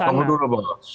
ya tunggu dulu bos